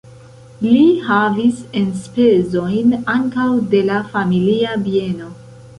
Li havis enspezojn ankaŭ de la familia bieno.